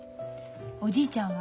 おじいちゃんは？